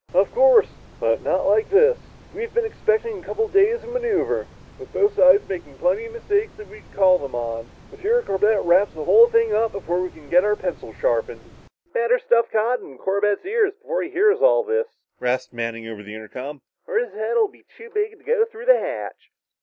"Of course, but not like this. We've been expecting a couple of days of maneuver, with both sides making plenty of mistakes that we could call them on. But here Corbett wraps the whole thing up before we can get our pencils sharpened." "Better stuff cotton in Corbett's ears before he hears all this," rasped Roger Manning over the intercom. "Or his head'll be too big to go through the hatch."